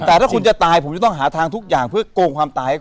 แต่ถ้าคุณจะตายผมจะต้องหาทางทุกอย่างเพื่อโกงความตายให้